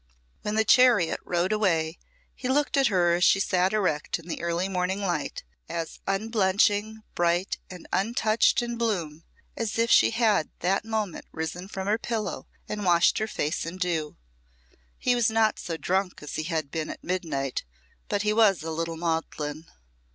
When the chariot rode away, he looked at her as she sat erect in the early morning light, as unblenching, bright, and untouched in bloom as if she had that moment risen from her pillow and washed her face in dew. He was not so drunk as he had been at midnight, but he was a little maudlin.